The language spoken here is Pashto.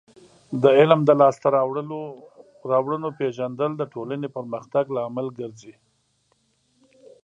د علم د لاسته راوړنو پیژندل د ټولنې پرمختګ لامل ګرځي.